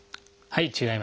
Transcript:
はい。